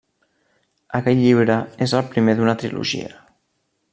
Aquest llibre és el primer d'una trilogia.